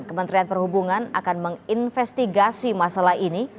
kementerian perhubungan akan menginvestigasi masalah ini